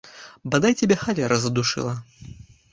Бадай цябе халера задушыла!